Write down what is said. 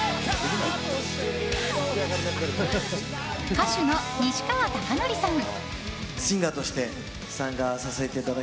歌手の西川貴教さん。